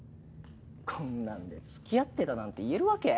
こんなんで付き合ってたなんて言えるわけ？